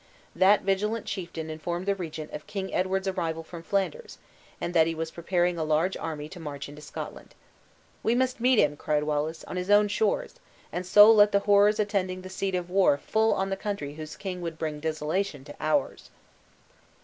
That vigilant chieftain informed the regent of King Edward's arrival from Flanders, and that he was preparing a large army to march into Scotland. "We must meet him," cried Wallace, "on his own shores; and so let the horrors attending the seat of war full on the country whose king would bring desolation to ours."